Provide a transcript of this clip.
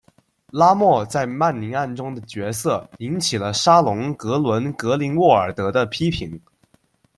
拉莫在曼宁案中的角色引起了沙龙格伦格林沃尔德的批评。